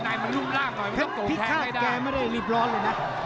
ดูพิฆาตแกไม่ได้รีบร้อนเลยนะ